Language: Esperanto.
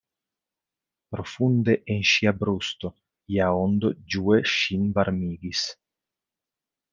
Profunde en ŝia brusto ia ondo ĝue ŝin varmigis.